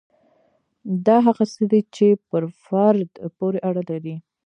دا هغه څه دي چې پر فرد پورې اړه لري.